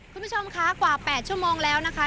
คุณผู้ชมคะกว่า๘ชั่วโมงแล้วนะคะ